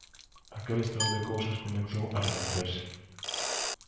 Aquel estado de cousas comezou a reverterse.